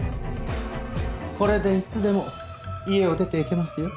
これでいつでも家を出ていけますよ。